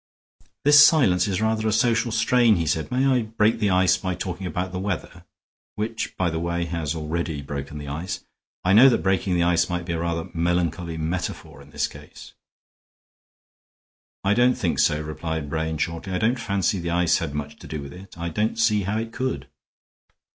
"This silence is rather a social strain," he said. "May I break the ice by talking about the weather? which, by the way, has already broken the ice. I know that breaking the ice might be a rather melancholy metaphor in this case." "I don't think so," replied Brain, shortly. "I don't fancy the ice had much to do with it. I don't see how it could."